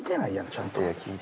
ちゃんと。